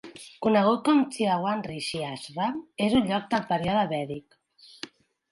Conegut com Chyawan Rishi Ashram, és un lloc del període vèdic.